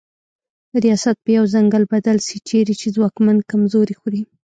ریاست په یو ځنګل بدل سي چیري چي ځواکمن کمزوري خوري